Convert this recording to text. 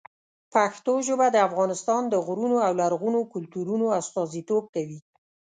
پښتو ژبه د افغانستان د غرونو او لرغونو کلتورونو استازیتوب کوي.